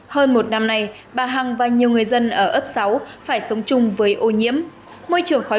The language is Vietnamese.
hơn một năm nay bà hằng và nhiều người dân ở ấp sáu phải sống chung với ô nhiễm môi trường khói